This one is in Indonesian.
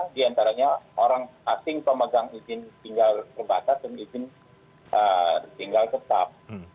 di antaranya orang asing pemegang izin tinggal terbatas dan izin tinggal tetap